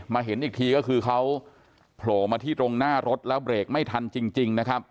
เห็นอีกทีก็คือเขาโผล่มาที่ตรงหน้ารถแล้วเบรกไม่ทันจริงนะครับ